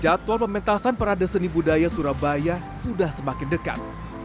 jadwal pementasan parade seni budaya surabaya sudah semakin dekat